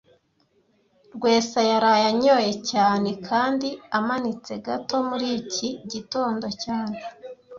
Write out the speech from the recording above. Rwesa yaraye anyoye cyane kandi amanitse gato muri iki gitondo cyane